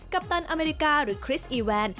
ปตันอเมริกาหรือคริสอีแวน